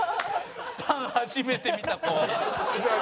パン初めて見た子。